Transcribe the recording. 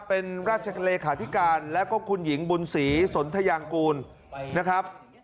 เป็นราชเลขาธิการแล้วก็คุณหญิงบุญศรีสนทยางกูลนะครับ